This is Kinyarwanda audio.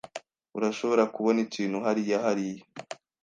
Urashobora kubona ikintu hariya hariya?